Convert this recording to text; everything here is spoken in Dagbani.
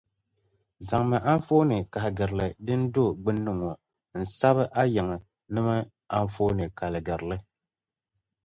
Zaŋmi anfooni-kahigirili din do gbunni ŋɔ n sabi a yiŋa nima anfooni kaligirili.